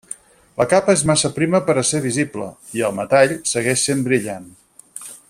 La capa és massa prima per a ser visible, i el metall segueix sent brillant.